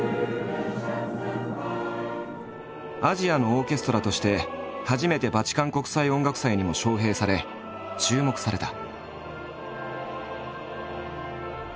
アジアのオーケストラとして初めてバチカン国際音楽祭にも招聘され注目された。